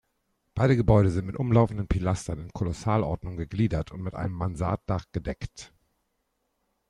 Beide Gebäude sind mit umlaufenden Pilastern in Kolossalordnung gegliedert und mit einem Mansarddach gedeckt.